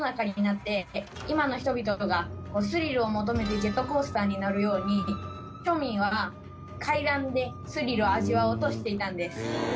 今の人々がスリルを求めてジェットコースターに乗るように庶民は怪談でスリルを味わおうとしていたんです。